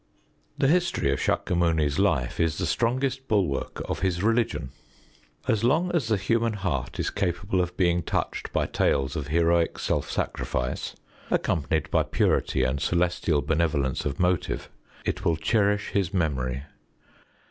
The history of S─ükya Muni's life is the strongest bulwark of his religion. As long as the human heart is capable of being touched by tales of heroic self sacrifice, accompanied by purity and celestial benevolence of motive, it will cherish his memory.